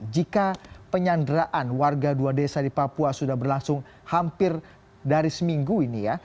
jika penyanderaan warga dua desa di papua sudah berlangsung hampir dari seminggu ini ya